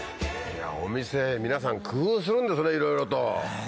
お店皆さん工夫するんですねいろいろと。